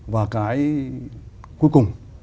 và cái cuối cùng